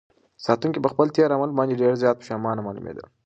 ساتونکي په خپل تېر عمل باندې ډېر زیات پښېمانه معلومېده.